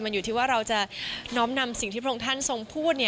มันอยู่ที่ว่าเราจะน้อมนำสิ่งที่พระองค์ท่านทรงพูด